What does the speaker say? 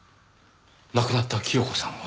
亡くなった清子さんが？